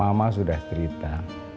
mama sudah cerita